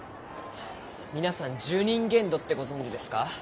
皆さん受忍限度ってご存じですか？